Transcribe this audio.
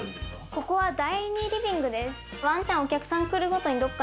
ここは第２リビングです。